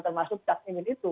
termasuk cak imin itu